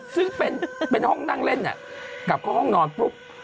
ซึ่งเป็นห้องนั่งเล่นเนี่ยกลับเข้าห้องนอนปุ๊บ